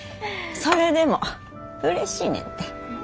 それでもうれしいねんて。